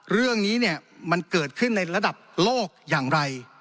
เรื่องนี้เนี่ยมันเกิดขึ้นในระดับโลกอย่างไร